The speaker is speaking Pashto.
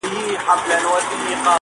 ته به د غم يو لوى بيابان سې گرانــــــي_